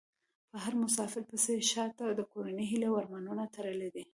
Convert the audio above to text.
په هر مسافر پسې شا ته د کورنۍ هيلې او ارمانونه تړلي دي .